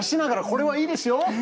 これはいいですよ。